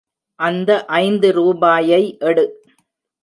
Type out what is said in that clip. அந்த ஐந்து ரூபாயை எடு.